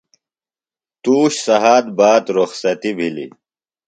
تُوش سھات باد رخصتیۡ بِھلیۡ۔